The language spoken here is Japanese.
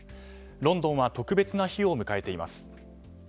ロンドンは特別な日を迎えています。